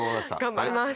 頑張ります。